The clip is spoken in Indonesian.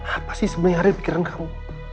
apa sih sebenarnya hari pikiran kamu